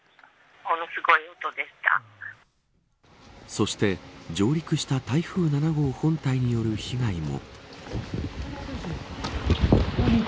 そして、上陸した台風７号本体による被害も。